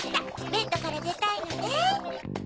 ベッドからでたいのね。